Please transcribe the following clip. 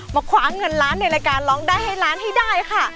คว้าเงินล้านในรายการร้องได้ให้ล้านให้ได้ค่ะ